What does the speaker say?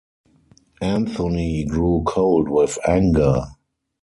Anthony grew cold with anger.